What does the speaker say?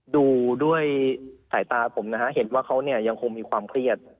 ดูด้วยสายตาผมนะฮะเห็นว่าเขาเนี่ยยังคงมีความเครียด